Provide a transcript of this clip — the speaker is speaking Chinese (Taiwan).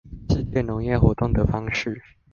世界農業活動的方式